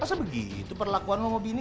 masa begitu perlakuan lo sama bini